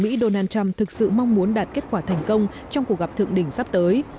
mỹ donald trump thực sự mong muốn đạt kết quả thành công trong cuộc gặp thượng đỉnh sắp tới